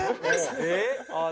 えっ？